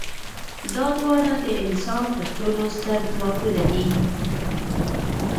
دا دواړه د انسان تر ټولو ستر ځواکونه دي.